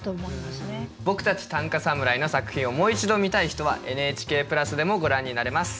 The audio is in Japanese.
僕たち「短歌侍」の作品をもう一度見たい人はＮＨＫプラスでもご覧になれます。